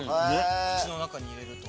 口の中に入れると。